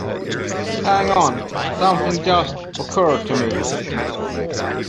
Hang on! Something just occurred to me.